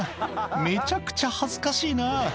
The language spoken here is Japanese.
「めちゃくちゃ恥ずかしいな」